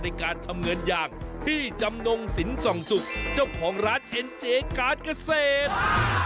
ในการทำเงินอย่างพี่จำนงสินส่องสุกเจ้าของร้านเอ็นเจการ์ดเกษตร